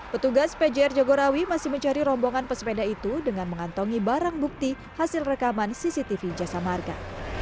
petugas pjr jagorawi masih mencari rombongan pesepeda itu dengan mengantongi barang bukti hasil rekaman cctv jasa marga